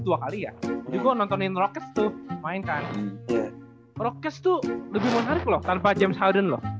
dua kali ya juga nontonin roket tuh mainkan rocket tuh lebih menarik loh tanpa james holden loh